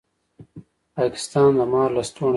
پاکستان د مار لستوڼی دی